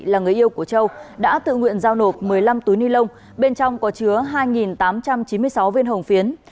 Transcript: là người yêu của châu đã tự nguyện giao nộp một mươi năm túi ni lông bên trong có chứa hai tám trăm chín mươi sáu viên hồng phiến